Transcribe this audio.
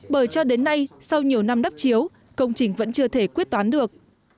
bởi cho đến nay sau nhiều năm đắp chiếu công trình vẫn chưa thể quyết toán được